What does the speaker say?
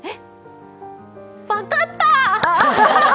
分かった！